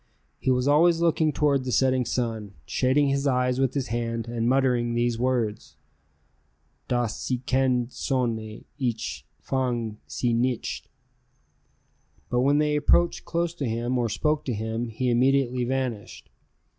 He was always looking toward the setting sun, shading his eyes with his hand and muttering these words: "Das sinkende Sonne, ich fange sie nicht." But when they approached close to him, or spoke to him, he immediately vanished.